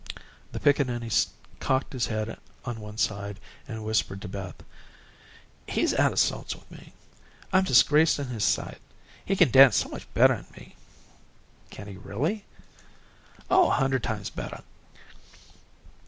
The pickaninny cocked his head on one side and whispered to Beth: "He's out of sorts with me. I'm disgraced in his sight. He can dance so much bettah 'n me." "Can he really?" "Oh, a hundred times bettah."